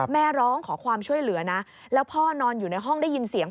แม่ร้องขอความช่วยเหลือนะแล้วพ่อนอนอยู่ในห้องได้ยินเสียง